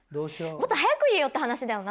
もっと早く言えよっていう話だよな。